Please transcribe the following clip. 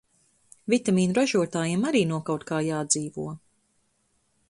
Vitamīnu ražotājiem arī no kaut kā jādzīvo...